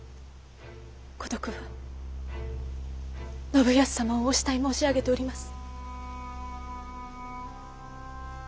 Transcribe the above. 五徳は信康様をお慕い申し上げております。